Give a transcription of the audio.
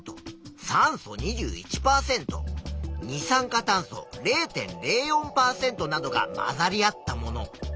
酸素２１％二酸化炭素０．０４％などが混ざり合ったもの。